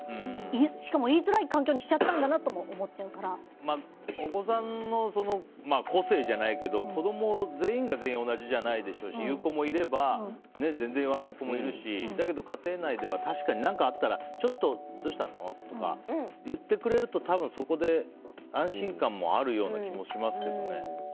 しかも言いづらい環境にしちゃったんだなともお子さんの個性じゃないけど子供、全員が全員同じじゃないでしょうし言う子もいれば全然言わない子もいるしだけど家庭内では確かに何かあったらちょっとどうしたの？とか言ってくれると多分、そこで安心感もあるような気もしますけどね。